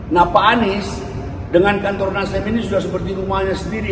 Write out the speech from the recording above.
nah pak anies dengan kantor nasdem ini sudah seperti rumahnya sendiri